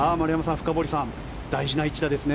深堀さん、大事な一打ですね。